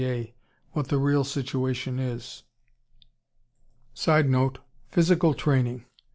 A. what the real situation is. [Sidenote: Physical training.